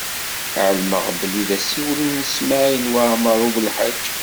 Ɛelmeɣ belli d asiwel n Smawil Waɛmaṛ U Belḥaǧ.